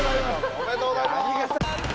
おめでとうございます！